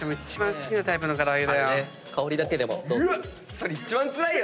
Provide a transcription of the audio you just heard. それ一番つらいよ！